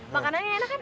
makanannya enak kan